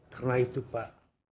karena itu pak